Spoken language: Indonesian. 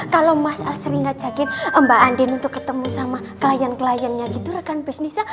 kalau mas al sering ngajakin mbak andin untuk ketemu sama klien kliennya gitu rekan bisnisnya